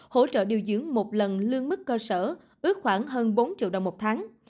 hỗ trợ điều dưỡng một lần lương mức cơ sở ước khoảng hơn bốn triệu đồng một tháng